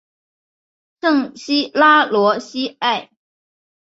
圣西拉罗西埃。